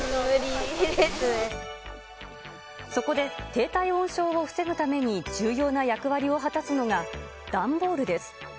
そこで、低体温症を防ぐために重要な役割を果たすのが、段ボールです。